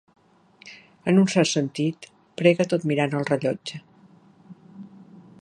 En un cert sentit, prega tot mirant el rellotge.